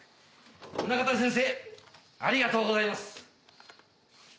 宗方先生ありがとうございます。